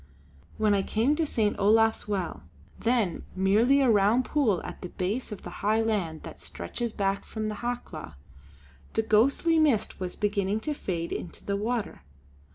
When I came to St. Olaf's well then merely a rough pool at the base of the high land that stretches back from the Hawklaw the ghostly mist was beginning to fade into the water.